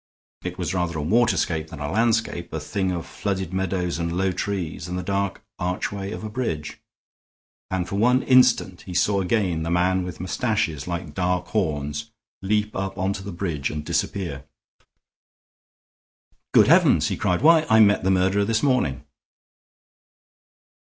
It was rather a waterscape than a landscape, a thing of flooded meadows and low trees and the dark archway of a bridge. And for one instant he saw again the man with mustaches like dark horns leap up on to the bridge and disappear. "Good heavens!" he cried. "Why, I met the murderer this morning!"